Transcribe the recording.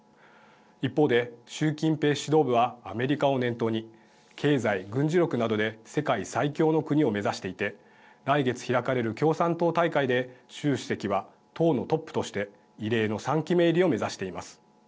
一方で、習近平指導部はアメリカを念頭に経済・軍事力などで世界最強の国を目指していて来月開かれる共産党大会で習主席は党のトップとして異例の３期目入りを目指しています。